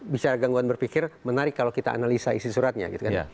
bicara gangguan berpikir menarik kalau kita analisa isi suratnya